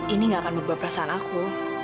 ini gak akan merubah perasaan aku